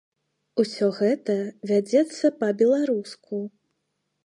Усё гэта вядзецца па-беларуску.